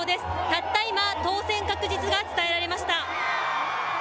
たった今、当選確実が伝えられました。